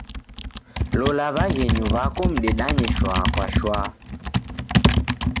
Lola w'aghenyu w'aku mdedanye shwaa kwa shwaa.